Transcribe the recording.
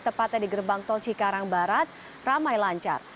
tepatnya di gerbang tol cikarang barat ramai lancar